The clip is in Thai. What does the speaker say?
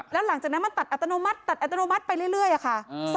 แล้วหลังจากนั้นมันตัดอัตโนมัติไปเรื่อยค่ะ